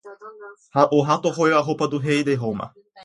O rato roeu a roupa do Rei de roma